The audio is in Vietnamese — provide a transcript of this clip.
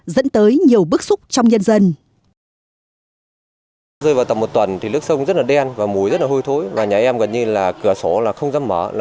dẫn tới nhiều bức xúc trong nhân dân